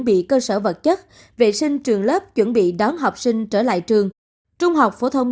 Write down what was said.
bị cơ sở vật chất vệ sinh trường lớp chuẩn bị đón học sinh trở lại trường trung học phổ thông